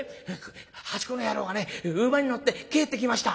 「八公の野郎がね馬に乗って帰ってきました」。